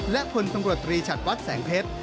และพลตำรวจตรีฉัดวัดแสงเพชร